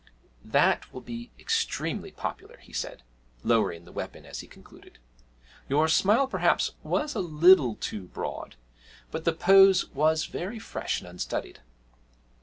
'That will be extremely popular,' he said, lowering the weapon as he concluded. 'Your smile, perhaps, was a little too broad, but the pose was very fresh and unstudied.'